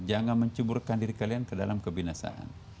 jangan mencuburkan diri kalian ke dalam kebinasaan